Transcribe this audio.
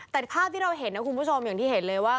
แต่ภาพที่เราเห็นนะคุณผู้ชมอย่างที่เห็นเลยว่า